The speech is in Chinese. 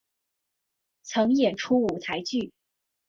曾演出舞台剧。